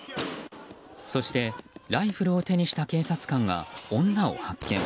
そして、ライフルを手にした警察官が女を発見。